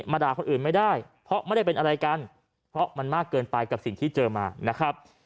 ด่าคนอื่นไม่ได้เพราะไม่ได้เป็นอะไรกันเพราะมันมากเกินไปกับสิ่งที่เจอมานะครับ